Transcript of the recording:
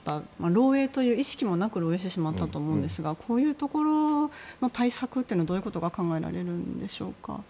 漏洩という意識もなく漏洩してしまったと思うんですがこういうところの対策はどういうことが考えられますか？